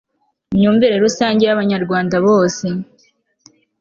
imyumvire rusange y'abanyarwanda bose